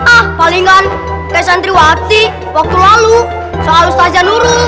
ah palingan kak santriwati waktu lalu seharusnya aja nurul